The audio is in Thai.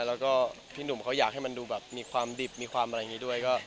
แล้วก็พี่หนุ่มเขาอยากให้มันดูแบบมีความดิบมีความอะไรอย่างนี้ด้วย